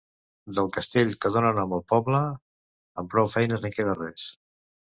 Del castell que dóna nom al poble amb prou feines en queda res.